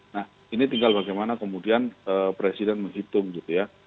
nah ini tinggal bagaimana kemudian presiden menghitung gitu ya